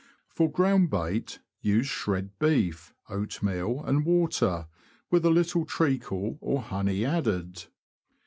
For ground bait, use shred beef, oatmeal and water, with a little treacle or honey added.